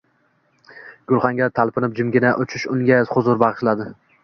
gulxanga talpinib jimgina uchish unga huzur bag‘ishladi.